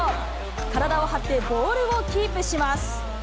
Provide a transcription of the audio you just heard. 体を張って、ボールをキープします。